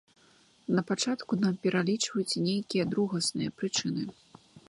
Напачатку нам пералічваюць нейкія другасныя прычыны.